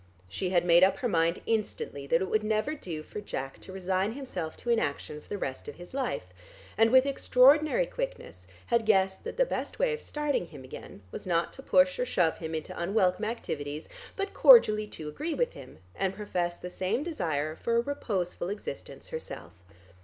She had made up her mind instantly that it would never do for Jack to resign himself to inaction for the rest of his life and with extraordinary quickness had guessed that the best way of starting him again was not to push or shove him into unwelcome activities, but cordially to agree with him, and profess the same desire for a reposeful existence herself.